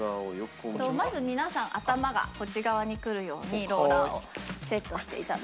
まず皆さん頭がこっち側にくるようにローラーをセットしていただいたら。